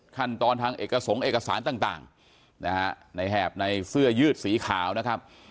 ขั้นตอนทางเอกสงค์เอกสารต่างนะฮะในแหบในเสื้อยืดสีขาวนะครับ